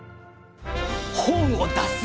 本を出す！